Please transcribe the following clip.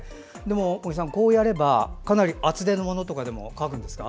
茂木さん、こうやればかなり厚手のものとかでも乾くんですか。